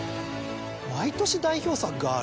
毎年代表作がある。